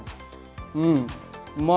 うんうまい！